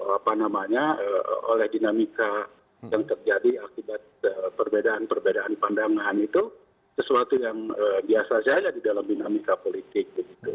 apa namanya oleh dinamika yang terjadi akibat perbedaan perbedaan pandangan itu sesuatu yang biasa saja di dalam dinamika politik